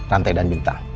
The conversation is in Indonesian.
rantai dan bintang